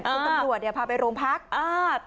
คุณตำรวจเนี่ยพาไปโรงพัก